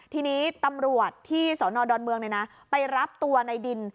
ทีนี้ตำรวจที่สนดอนเมืองไปรับตัวในดิน